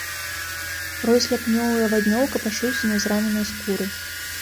Рой сляпнёў і аваднёў капашыўся на зраненай скуры.